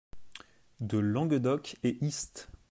de Languedoc et Hist.